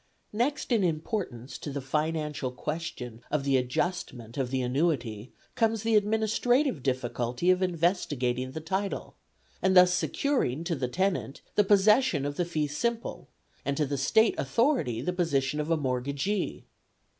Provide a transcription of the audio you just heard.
Next in importance to the financial question of the adjustment of the annuity comes the administrative difficulty of investigating the title, and thus securing to the tenant the possession of the fee simple, and to the State authority the position of a mortgagee.